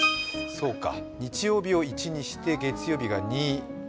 そうか、日曜日を１にして月曜日が２。